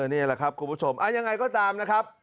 นี่แหละครับคุณผู้ชมยังไงก็ตามนะครับ